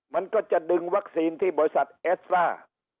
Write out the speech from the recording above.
มันก็จะดึงวัคซีนที่บริษัทเอสตรา